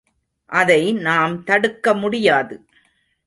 அதை நாம் தடுக்க முடியாது.